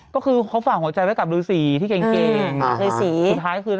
ก็คือเขาฝากหัวใจไว้กับฤษีที่เกร่งเกรง